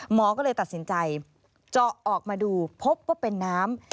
หมอก็เลยตัดสินใจเจาะออกมาดูพบว่าเป็นน้ำ